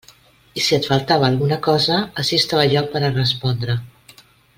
I si et faltava alguna cosa, ací estava jo per a respondre.